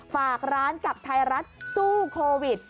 ฝากร้านกับไทยรัฐสู้โควิด